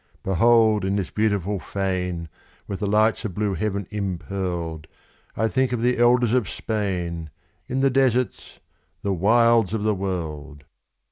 Behold in this beautiful fane, with the lights of blue heaven impearled, I think of the Elders of Spain, in the deserts the wilds of the world!